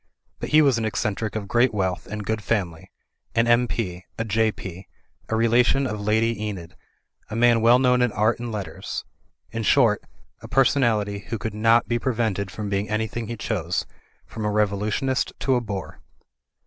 But he was an eccen tric of great wealth and good family, an M.P., a J.P., a relation of Lady Enid, a man well known in art and letters; in short, a personality who could not be pre vented from being an)rthing he chose, from a revolu tionist to a bore.